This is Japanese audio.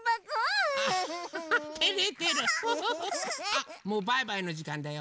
あっもうバイバイのじかんだよ。